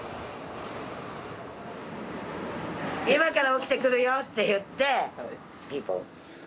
「今から起きてくるよ」って言ってピンポン。